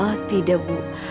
oh tidak bu